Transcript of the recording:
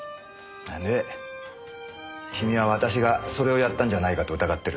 で君は私がそれをやったんじゃないかと疑ってる。